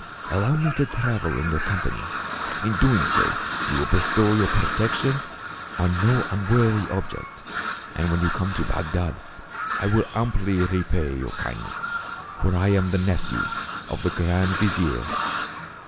Allow me to travel in your company. In so doing you will bestow your protection on no unworthy object, and when you come to Bagdad I will amply repay your kindness ; for I am the nephew of the grand vizier."